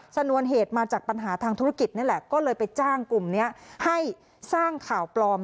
นวนเหตุมาจากปัญหาทางธุรกิจนี่แหละก็เลยไปจ้างกลุ่มนี้ให้สร้างข่าวปลอม